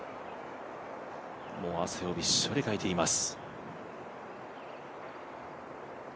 もう汗をびっしょりかいています。